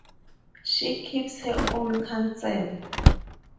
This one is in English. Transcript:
She keeps her own counsel!